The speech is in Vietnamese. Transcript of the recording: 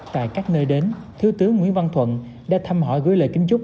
tại các nơi đến thiếu tướng nguyễn văn thuận đã thăm hỏi gửi lời kính chúc